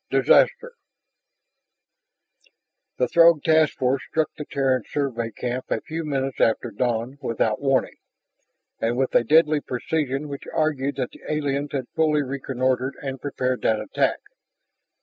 DISASTER The Throg task force struck the Terran Survey camp a few minutes after dawn, without warning, and with a deadly precision which argued that the aliens had fully reconnoitered and prepared that attack.